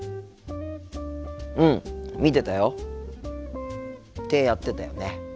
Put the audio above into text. うん見てたよ。ってやってたよね。